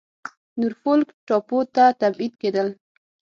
نورفولک ټاپو ته تبعید کېدل.